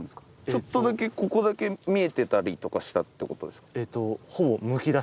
ちょっとだけここだけ見えてたりとかしたってこと？